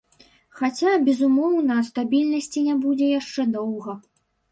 Хаця, безумоўна, стабільнасці не будзе яшчэ доўга.